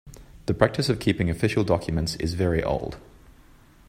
The practice of keeping official documents is very old.